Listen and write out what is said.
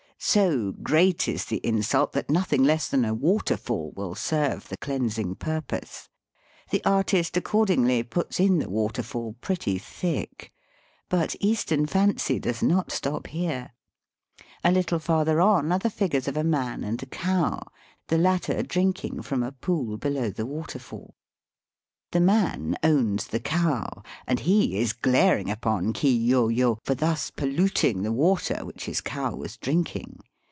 So great is the insult that nothing less than a waterfall will serve the cleansing purpose. The artist accordingly puts in the waterfall pretty thick ; but Eastern fancy does not stop here. A little farther on are the figures of a man and a cow, the latter drinking from a pool below the waterfall. The VOL. II. 25 Digitized by VjOOQIC 82 EAST BY WEST. man owns the cow, and he is glaring upon Kiyo yo for thus polluting the water which his cow was drinking.